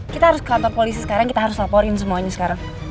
kita harus ke kantor polisi sekarang kita harus laporin semuanya sekarang